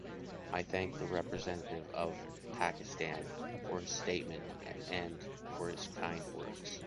I thank the representative of Pakistan for his statement and for his kind words.